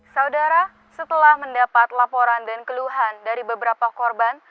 saudara setelah mendapat laporan dan keluhan dari beberapa korban